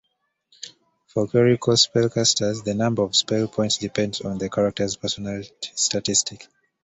For Clerical spellcasters, the number of spell points depends on the character's Personality statistic.